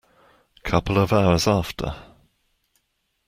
Couple of hours after.